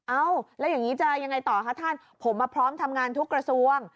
เอ้าแล้วอย่างนี้จะยังไงต่อคะท่านผมมาพร้อมทำงานทุกกระทรวง